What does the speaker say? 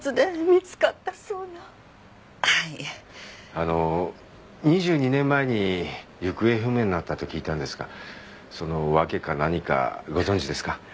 あの２２年前に行方不明になったと聞いたんですがその訳か何かご存じですか？